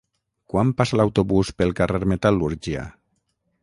Quan passa l'autobús pel carrer Metal·lúrgia?